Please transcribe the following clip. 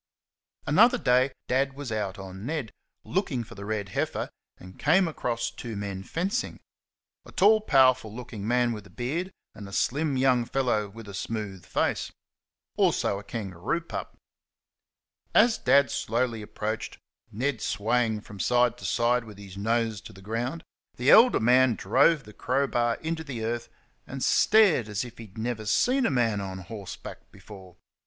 Another day Dad was out on Ned, looking for the red heifer, and came across two men fencing a tall, powerful looking man with a beard, and a slim young fellow with a smooth face. Also a kangaroo pup. As Dad slowly approached, Ned swaying from side to side with his nose to the ground, the elder man drove the crowbar into the earth and stared as if he had never seen a man on horseback before.